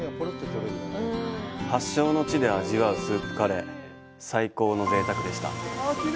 発祥の地で味わうスープカレー最高のぜいたくでした。